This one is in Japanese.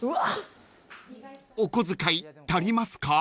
［お小遣い足りますか？］